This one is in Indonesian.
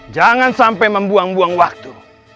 jangan sampai membuang buang waktu